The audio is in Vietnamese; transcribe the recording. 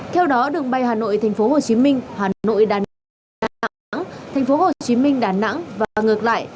theo đó đường bay hà nội thành phố hồ chí minh hà nội đà nẵng thành phố hồ chí minh đà nẵng và ngược lại